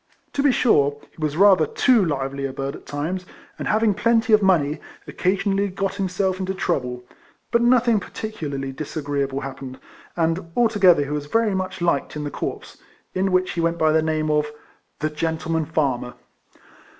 To be sure, he was rather too lively a bird at times, and, having .plenty of money, occasionally got himself into trouble, but nothing par ticularly disagreeable happened, and alto gether he was very much liked in the corps, in which he went by the name of " The Gentleman Farmer."